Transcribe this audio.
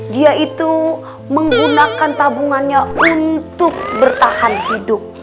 dia itu menggunakan tabungannya untuk bertahan hidup